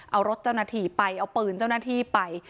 เอารถเจ้าหน้าที่ไปเอาปืนเจ้าหน้าที่ไป